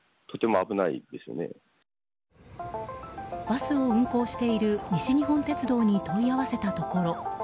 バスを運行している西日本鉄道に問い合わせたところ。